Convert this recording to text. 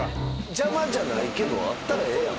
邪魔じゃないけどあったらええやん。